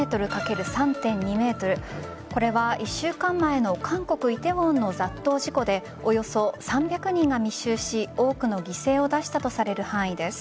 これは１週間前の韓国・梨泰院の雑踏事故でおよそ３００人が密集し多くの犠牲を出したとされる範囲です。